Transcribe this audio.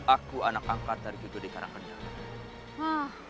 aku anak angkat dari kito di karangkandang